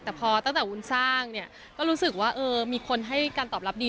แต่พอตั้งแต่วุ้นสร้างเนี่ยก็รู้สึกว่าเออมีคนให้การตอบรับดี